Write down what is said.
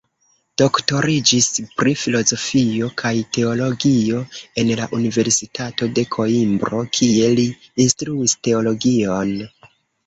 Doktoriĝis pri filozofio kaj teologio en la Universitato de Koimbro, kie li instruis teologion.